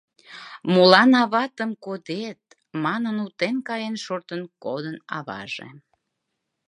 Молан аватым кодет? — манын, утен каен шортын кодын аваже.